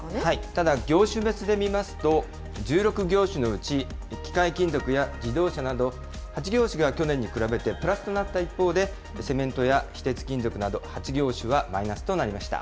ただ、業種別で見ますと、１６業種のうち、機械金属や自動車など、８業種が去年に比べてプラスとなった一方で、セメントや非鉄・金属など８業種はマイナスとなりました。